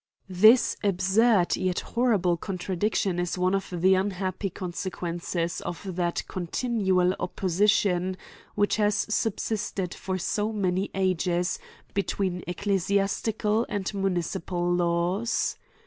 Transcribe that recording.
This absurd yet horrible contradiction, is one of the unhappy consequences of that continual opposition, w^hich has subsisted for so many ages between ecclesiastical and municipal laws.